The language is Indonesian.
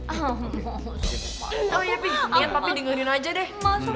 oh iya pih mendingan papi dengerin aja deh